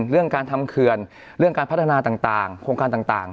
เรื่องการทำเขื่อนเรื่องการพัฒนาต่างโครงการต่าง